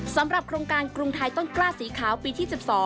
สำหรับโครงการกรุงไทยต้นกล้าสีขาวปีที่๑๒